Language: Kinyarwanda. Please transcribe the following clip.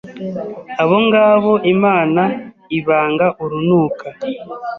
abongabo Imana ibanga urunuka